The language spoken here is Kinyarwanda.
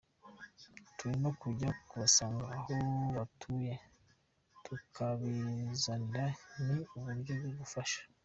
Turi no kujya kubasanga aho batuye tukabizanira, ni uburyo bwo gufasha.